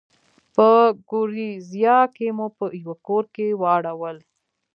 په ګوریزیا کې مو په یوه کور کې واړول.